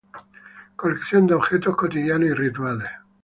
Colección de objetos cotidianos y rituales.